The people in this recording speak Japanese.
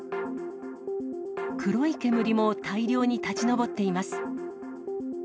黒い煙も大量に立ち上っています。